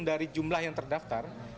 dari jumlah yang terdaftar